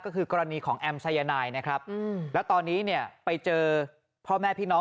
ก็คือกรณีของแอมสายนายนะครับแล้วตอนนี้เนี่ยไปเจอพ่อแม่พี่น้อง